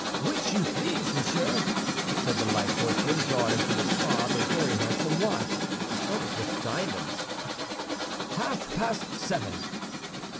"Which you please, monsieur!" said the light horseman, drawing from his fob a very handsome watch, studded with diamonds; "half past seven."